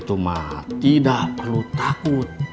itu ma tidak perlu takut